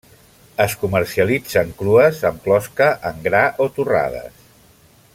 Es comercialitzen crues amb closca, en gra o torrades.